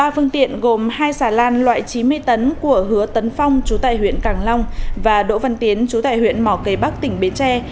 ba phương tiện gồm hai xà lan loại chín mươi tấn của hứa tấn phong chú tại huyện càng long và đỗ văn tiến chú tại huyện mỏ cây bắc tỉnh bến tre